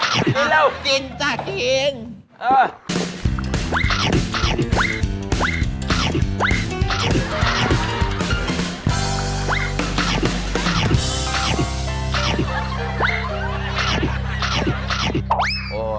กินเร็วจริงจ้ะจริงเอออุ๊ย